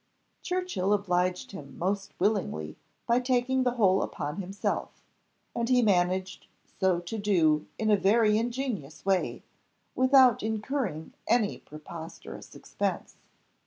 Churchill obliged him most willingly by taking the whole upon himself, and he managed so to do in a very ingenious way, without incurring any preposterous expense.